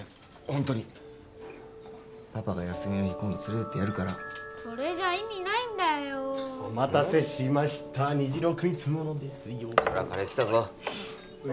ホントにパパが休みの日今度連れてってやるからそれじゃ意味ないんだよお待たせしました虹朗君いつものですよほらカレー来たぞご